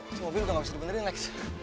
itu mobilnya udah gak bisa dibenderin lex